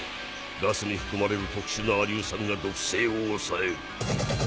ガスに含まれる特殊な亜硫酸が毒性を抑える。